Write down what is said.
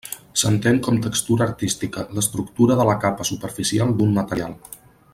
S'entén com textura artística, l'estructura de la capa superficial d'un material.